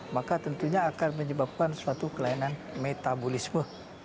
maka tentunya akan menyebabkan suatu kelainan metabolisme